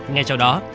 ngay sau đó